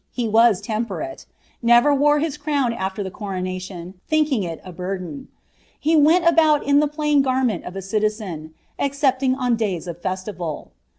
He n> temperate ; never wore his crown after the coronation, uiinking il i burdcD \ he went about in the plain garment of a citizen, exoqkinf m ilsys of festival."